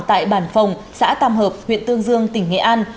tại bản phòng xã tam hợp huyện tương dương tỉnh nghệ an